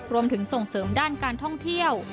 รวมถึงส่งเสริมด้านการท่องเที่ยว